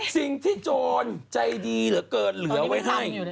โจรใจดีเหลือเกินเหลือไว้ให้